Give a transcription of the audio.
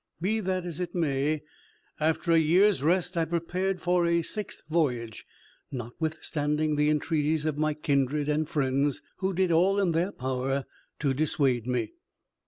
Be that as it may, after a year's rest I prepared for a sixth voyage, notwithstanding the entreaties of my kindred and friends, who did all in their power to dissuade me.